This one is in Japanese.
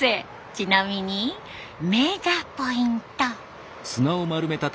ちなみに目がポイント。